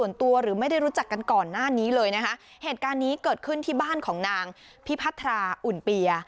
หรือไม่ได้รู้จักกันก่อนหน้านี้เลยนะคะเหตุการณ์นี้เกิดขึ้นที่บ้านของนางพิพัทราอุ่นเปีย